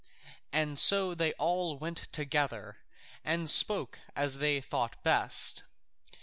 So they all went together and spoke as they thought best.